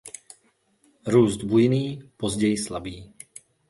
Růst bujný později slabý.